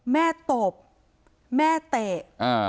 แม่ตบแม่เตะ